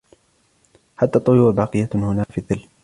حتى الطيور باقية هُنا في الظِل.